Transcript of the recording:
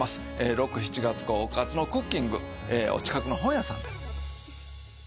６・７月号『おかずのクッキング』お近くの本屋さんで。